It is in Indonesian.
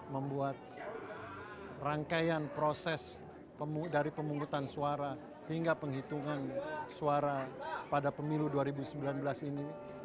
membuat rangkaian proses dari pemungutan suara hingga penghitungan suara pada pemilu dua ribu sembilan belas ini